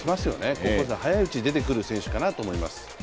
高校生、早いうちに出てくる選手かなと思います。